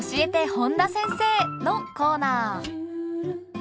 本田先生」のコーナー。